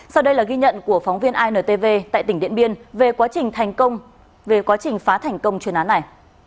sau đây là ghi nhận của phóng viên intv tại tỉnh điện biên về quá trình phá thành công chuyên án này